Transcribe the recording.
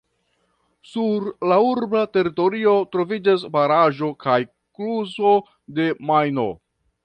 Sur la urba teritorio troviĝas baraĵo kaj kluzo de la Majno.